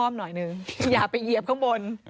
หน่อยหนึ่งอย่าไปเหยียบข้างบน